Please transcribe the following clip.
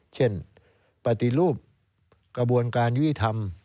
ปฏิรูปกระบวนการยุติธรรม